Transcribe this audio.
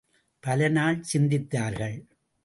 பல நாள் சிந்தித்தார்கள்.